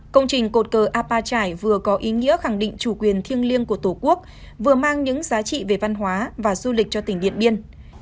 công trình cột cờ apa trải vừa có ý nghĩa khẳng định chủ quyền thiêng liêng của tổ quốc vừa mang những giá trị về văn hóa và du lịch cho tỉnh điện biên